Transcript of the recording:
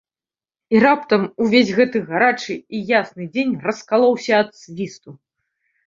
І раптам увесь гэты гарачы і ясны дзень раскалоўся ад свісту.